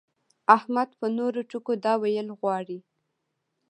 احمد په نورو ټکو دا ويل غواړي.